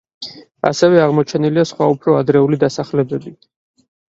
ასევე აღმოჩენილია სხვა უფრო ადრეული დასახლებები.